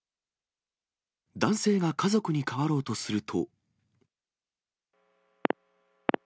男性が家族に代わろうとすると。